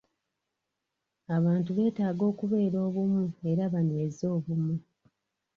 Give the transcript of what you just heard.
Abantu beetaaga okubeera obumu era banyweze obumu.